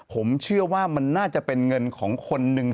ผมเชื่อว่ามันน่าจะเป็นเงินของคนหนึ่ง